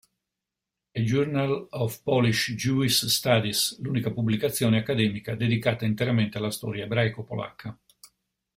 A Journal of Polish-Jewish Studies", l'unica pubblicazione accademica dedicata interamente alla storia ebraico-polacca.